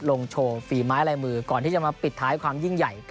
โชว์ฝีไม้ลายมือก่อนที่จะมาปิดท้ายความยิ่งใหญ่